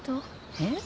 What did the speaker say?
えっ？